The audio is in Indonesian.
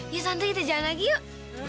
ya tante kita jalan lagi yuk